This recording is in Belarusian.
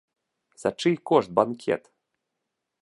За чый кошт банкет?